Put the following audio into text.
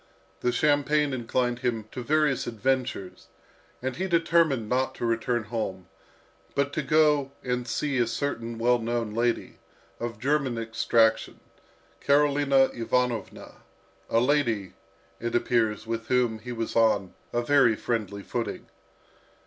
The champagne inclined him to various adventures, and he determined not to return home, but to go and see a certain well known lady, of German extraction, Karolina Ivanovna, a lady, it appears, with whom he was on a very friendly footing.